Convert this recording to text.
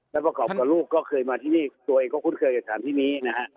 และประกอบกับลูกก็เคยมาที่นี่ตัวเองก็คุ้นเคยกับสถานที่นี้นะฮะ